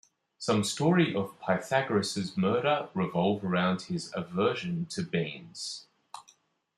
Some stories of Pythagoras' murder revolve around his aversion to beans.